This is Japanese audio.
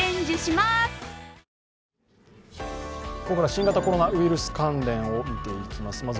ここから新型コロナウイルス関連を見ていきます。